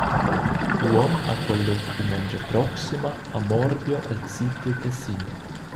Uonn ha quel liug dumengia proxima a Morbio el sid dil Tessin.